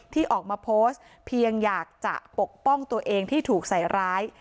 ที่ออกมาโพสต์เพียงอยากจะปกป้องตัวเองที่ถูกใส่ร้าย